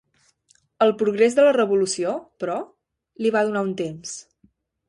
El progrés de la revolució, però, li va donar un temps.